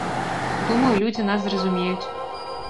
Думаю, людзі нас зразумеюць.